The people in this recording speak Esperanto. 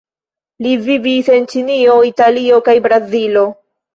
Li vivis en Ĉinio, Italio kaj Brazilo.